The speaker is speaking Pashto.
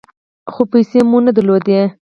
خو پیسې مو نه درلودې .